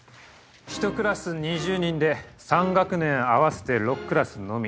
１クラス２０人で３学年合わせて６クラスのみ。